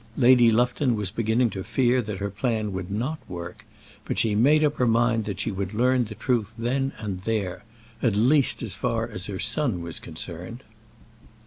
Lady Lufton was beginning to fear that her plan would not work, but she made up her mind that she would learn the truth then and there, at least as far as her son was concerned.